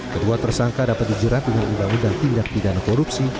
kedua tersangka dapat dijerat dengan undang undang tindak pidana korupsi